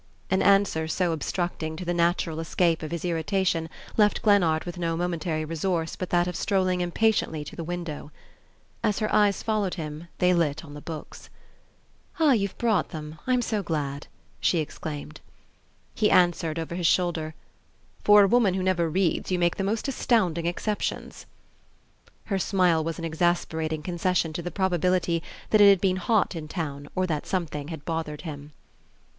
An answer so obstructing to the natural escape of his irritation left Glennard with no momentary resource but that of strolling impatiently to the window. As her eyes followed him they lit on the books. "Ah, you've brought them! I'm so glad," she exclaimed. He answered over his shoulder, "For a woman who never reads you make the most astounding exceptions!" Her smile was an exasperating concession to the probability that it had been hot in town or that something had bothered him.